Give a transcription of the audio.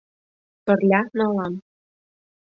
Пырля налам.